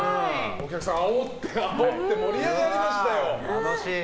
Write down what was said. お客さん、あおって、あおって盛り上がりましたよ。